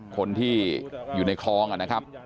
คนที่อยู่ในคลองนะครับ